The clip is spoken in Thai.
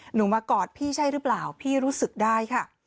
มากอดพี่ใช่หรือเปล่าพี่รู้สึกได้ค่ะ